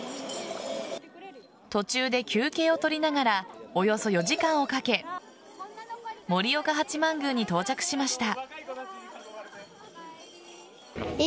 途中で休憩を取りながらおよそ４時間をかけ盛岡八幡宮に到着しました。